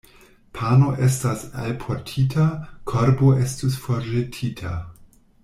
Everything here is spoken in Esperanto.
Pano estas alportita, korbo estu forĵetita.